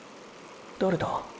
誰だ？